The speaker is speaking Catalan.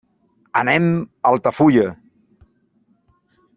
Anem a Altafulla.